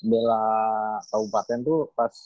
belom kabupaten tuh pas